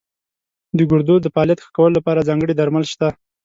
د ګردو د فعالیت ښه کولو لپاره ځانګړي درمل شته.